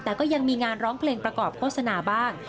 แต่ก็ยังมีงานร้องเพลงประกอบโฆษณาบ้าง